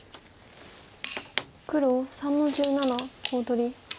黒３の十七コウ取り。